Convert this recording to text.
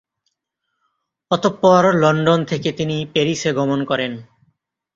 অতঃপর লন্ডন থেকে তিনি প্যারিসে গমন করেন।